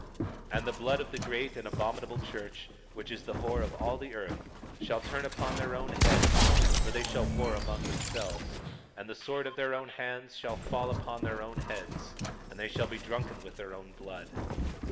22:13 And the blood of that great and abominable church, which is the whore of all the earth, shall turn upon their own heads; for they shall war among themselves, and the sword of their own hands shall fall upon their own heads, and they shall be drunken with their own blood.